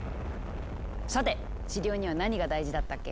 さて治療には何が大事だったっけ？